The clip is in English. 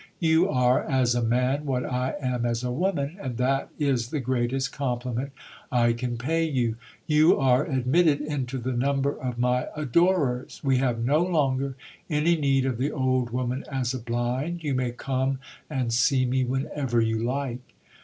You are as a man what I am as a woman, and that is the greatest compliment I can pay you. You are admitted into the number of my adorers. We have no longer any need of the old woman as a blind, you may come and see me whenever you like.